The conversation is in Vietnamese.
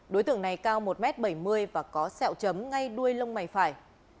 đối tượng này cao một m bảy mươi và có sẹo chấm ngay đuôi lông mày phải